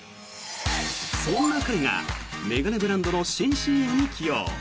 そんな彼が眼鏡ブランドの新ＣＭに起用。